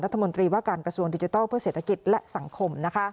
รัฐมนตรีว่าการกระทรวงดิจิทัลเพื่อเศรษฐกิจและสังคม